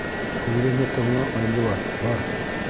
— Һүҙемде тыңла, Айбулат, бар.